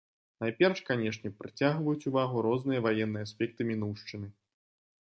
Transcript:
Найперш, канечне, прыцягваюць увагу розныя ваенныя аспекты мінуўшчыны.